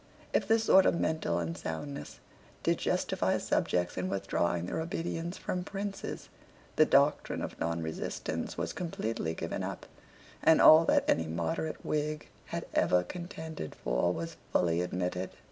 If this sort of mental unsoundness did justify subjects in withdrawing their obedience from princes, the doctrine of nonresistance was completely given up; and all that any moderate Whig had ever contended for was fully admitted.